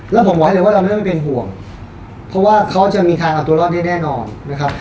แล้วผมไว้เลยว่าเราเริ่มเป็นห่วงเพราะว่าเขาจะมีทางเอาตัวรอดได้แน่นอนนะครับ